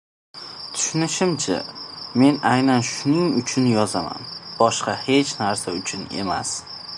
Tushunishimcha, men aynan shuning uchun yozaman, boshqa hech narsa uchun emas.